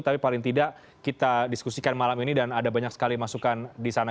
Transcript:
tapi paling tidak kita diskusikan malam ini dan ada banyak sekali masukan di sana